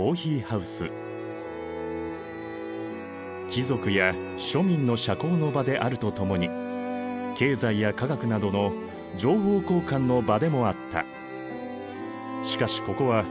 貴族や庶民の社交の場であるとともに経済や科学などの情報交換の場でもあった。